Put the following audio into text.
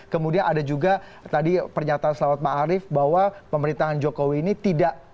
kemudian ada juga tadi pernyataan selawat pak arief bahwa pemerintahan jokowi ini tidak